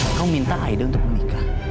aku minta aida untuk menikah